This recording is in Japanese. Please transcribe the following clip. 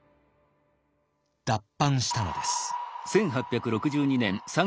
脱藩したのです。